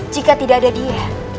jika tidak ada dia